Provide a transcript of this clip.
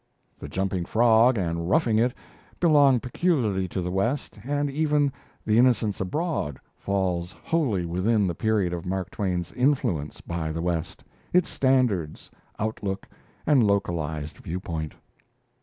'The Jumping Frog' and 'Roughing It' belong peculiarly to the West, and even 'The Innocents Abroad' falls wholly within the period of Mark Twain's influence by the West, its standards, outlook, and localized viewpoint.